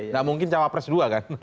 nggak mungkin cawapres dua kan